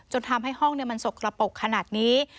จนทำให้ห้องมันสกระปกขนาดนี้